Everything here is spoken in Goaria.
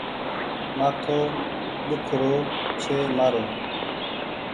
مآٿو ۮيک رو ڇي مآرو ۔